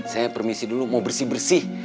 saya permisi dulu mau bersih bersih